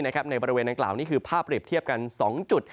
ในบริเวณดังกล่าวนี่คือภาพเรียบเทียบกัน๒จุด